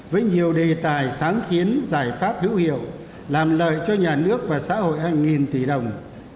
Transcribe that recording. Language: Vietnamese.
với nhiều đề tài sáng kiến giải pháp hữu hiệu làm lợi cho nhà nước và xã hội hàng nghìn tỷ đồng